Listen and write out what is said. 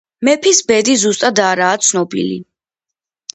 მეფის ბედი ზუსტად არაა ცნობილი.